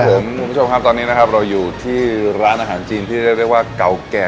คุณผู้ชมครับตอนนี้นะครับเราอยู่ที่ร้านอาหารจีนที่เรียกได้ว่าเก่าแก่